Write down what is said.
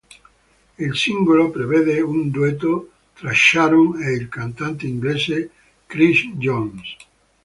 Il singolo prevede un duetto tra Sharon e il cantante inglese Chris Jones.